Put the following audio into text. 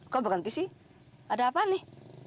kok berhenti sih ada apa nih